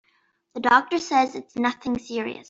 The doctor says it's nothing serious.